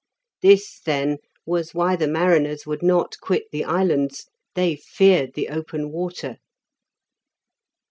This, then was why the mariners would not quit the islands; they feared the open water.